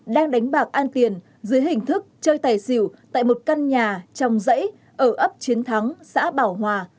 đang đánh bạc an tiền dưới hình thức chơi tài xỉu tại một căn nhà trong dãy ở ấp chiến thắng xã bảo hòa